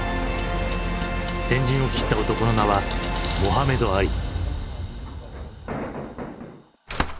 先陣を切った男の名はモハメド・アリ。